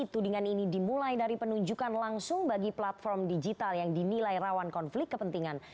tudingan ini dimulai dari penunjukan langsung bagi platform digital yang dinilai rawan konflik kepentingan